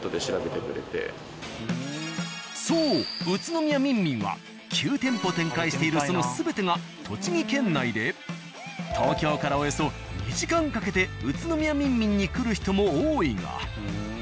そう「宇都宮みんみん」は９店舗展開しているその全てが栃木県内で東京からおよそ２時間かけて「宇都宮みんみん」に来る人も多いが。